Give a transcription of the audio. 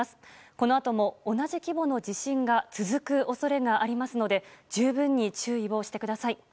このあとも同じ規模の地震が続く恐れがありますので十分に注意をしてください。